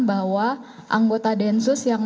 bahwa anggota densus yang